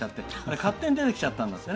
勝手に出てきちゃったんですって。